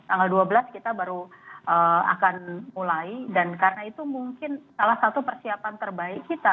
tanggal dua belas kita baru akan mulai dan karena itu mungkin salah satu persiapan terbaik kita